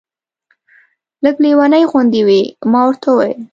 لږ لېونۍ غوندې وې. ما ورته وویل.